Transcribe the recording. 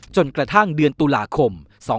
จนกระทั่งเดือนตุลาคม๒๕๖๒